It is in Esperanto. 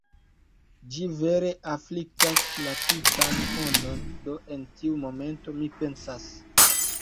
Ĝi vere afliktas la tutan mondon, do en tiu momento mi pensas: